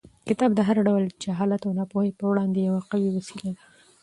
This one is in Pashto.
کتاب د هر ډول جهالت او ناپوهۍ پر وړاندې یوه قوي وسله ده.